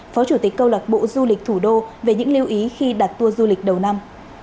phó chủ tịch câu lạc bộ du lịch thủ đô về những lưu ý khi đặt tour du lịch đầu năm